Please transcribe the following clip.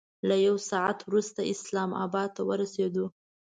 له یو ساعت وروسته اسلام اباد ته ورسېدو.